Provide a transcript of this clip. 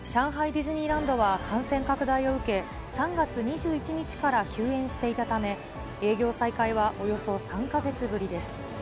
ディズニーランドは感染拡大を受け、３月２１日から休園していたため、営業再開はおよそ３か月ぶりです。